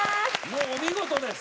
もうお見事です。